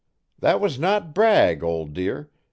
"That was not brag, old dear.